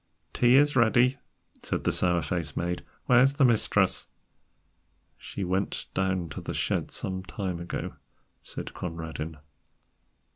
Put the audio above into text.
"Tea is ready," said the sour faced maid; "where is the mistress?" "She went down to the shed some time ago," said Conradin.